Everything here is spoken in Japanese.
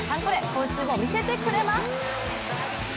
今週も見せてくれます。